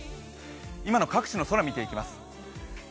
今の各地の空、見ていきます。